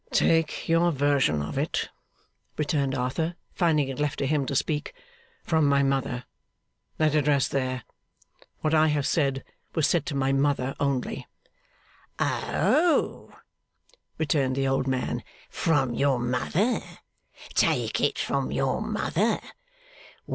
'Take your version of it,' returned Arthur, finding it left to him to speak, 'from my mother. Let it rest there. What I have said, was said to my mother only.' 'Oh!' returned the old man. 'From your mother? Take it from your mother?